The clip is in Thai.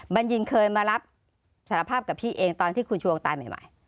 บัญญินเคยมารับสารภาพกับพี่เองตอนที่คุณชวงตายใหม่